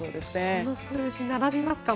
この数字がもう並びますか。